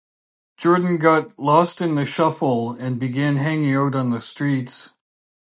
Jordan got "lost in the shuffle"and began hanging out on the streets.